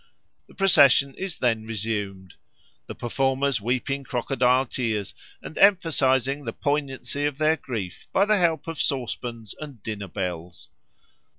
The procession is then resumed, the performers weeping crocodile tears and emphasising the poignancy of their grief by the help of saucepans and dinner bells.